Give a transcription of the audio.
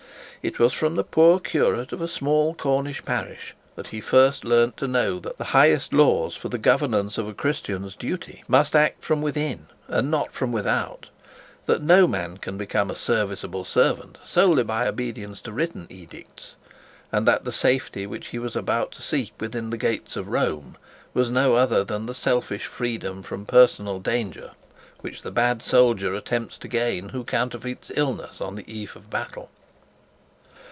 It was from a poor curate of a small Cornish parish that he first learnt to know that the highest laws for the governance of a Christian's duty must act from within and not from without; that no man can become a serviceable servant solely by obedience to written edicts; and that the safety which he was about to seek within the gates of Rome was no other than the selfish freedom from personal danger which the bad soldier attempts to gain who counterfeits illness on the eve of battle.